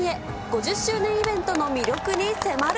５０周年イベントの魅力に迫る。